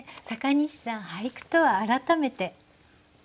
阪西さん俳句とは改めて。